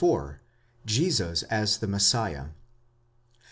§ 39. JESUS AS THE MESSIAH.